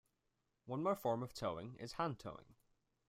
One more form of towing is hand towing.